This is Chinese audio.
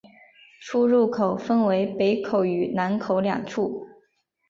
出入口分为北口与南口两处。